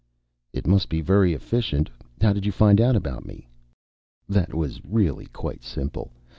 "It must be very efficient. How did you find out about me?" "That was really quite simple.